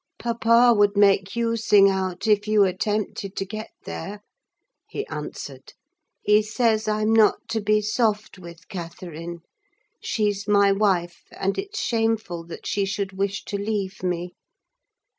"Papa would make you sing out, if you attempted to get there," he answered. "He says I'm not to be soft with Catherine: she's my wife, and it's shameful that she should wish to leave me.